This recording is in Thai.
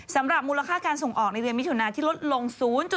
สำหรับมูลค่าการส่งออกในเดือนมิถุนาที่ลดลง๐